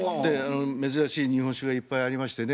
珍しい日本酒がいっぱいありましてね。